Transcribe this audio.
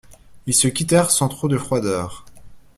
Ils se quittèrent sans trop de froideur.